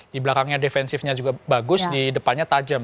di belakangnya defensifnya juga bagus di depannya tajam